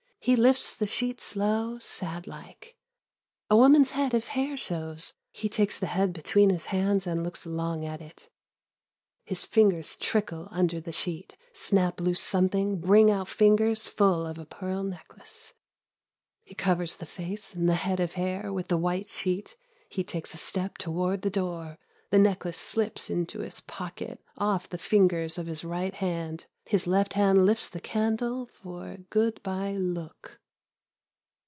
He lifts the sheet slow, sad like. A woman's head of hair shows, a woman's white face. Re takes the head between his hands and looks long at Without the Cane and the Derby 57 it. His fingers trickle under the sheet, snap loose something, bring out fingers full of a pearl necklace. He covers the face and the head of hair with the white sheet. He takes a step toward the door. The necklace slips into his pocket off the fingers of his right hand. His left hand lifts the candle for a good by look.